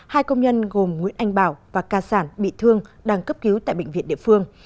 hai công nhân gồm nguyễn anh bảo và ca sản bị thương đang cấp cứu tại bệnh viện địa phương